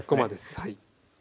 はい。